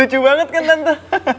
lucu banget kan tante